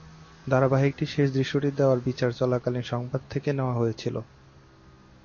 ধারাবাহিকটির শেষ দৃশ্যটি দেওয়ার বিচার চলাকালীন সংবাদ থেকে নেওয়া হয়েছিল।